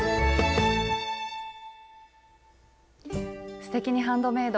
「すてきにハンドメイド」